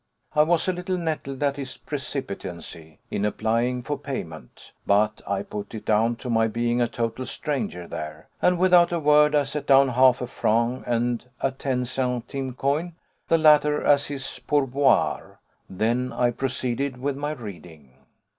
I was a little nettled at his precipitancy in applying for payment, but I put it down to my being a total stranger there; and without a word I set down half a franc and a ten centimes coin, the latter as his pourboire. Then I proceeded with my reading.